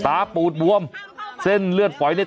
ทางเข้าไปเพราะว่าถ้าเราเข้าไปอ่ะ